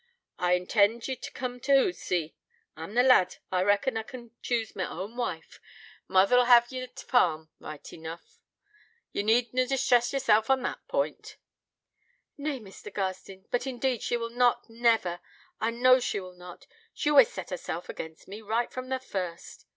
'I intend ye t' coom t' Hootsey. I'm na lad: I reckon I can choose my own wife. Mother'll hev ye at t' farm, right enough: ye need na distress yeself on that point ' 'Nay, Mr. Garstin, but indeed she will not, never... I know she will not... She always set herself against me, right from the first.'